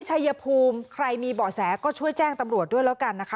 ชัยภูมิใครมีเบาะแสก็ช่วยแจ้งตำรวจด้วยแล้วกันนะคะ